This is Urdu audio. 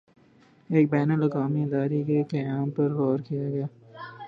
ایک بین الاقوامی ادارے کے قیام پر غور کیا گیا